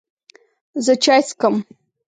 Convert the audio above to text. زه چای څښم.